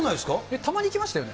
たまに行きましたよね。